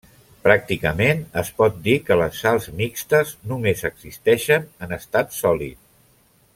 Pràcticament es pot dir que les sals mixtes només existeixen en estat sòlid.